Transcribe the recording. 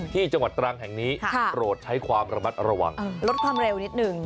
จังหวัดตรังแห่งนี้โปรดใช้ความระมัดระวังลดความเร็วนิดนึง